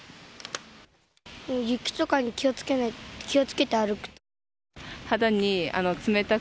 雪とかに気をつけて歩く。